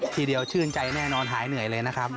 ทีเดียวชื่นใจแน่นอนหายเหนื่อยเลยนะครับ